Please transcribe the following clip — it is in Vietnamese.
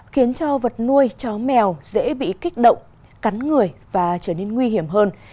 khiến cho vật nuôi chó mèo dễ bị kích động cắn người và trở nên nguy hiểm hơn